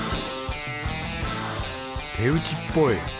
手打ちっぽい？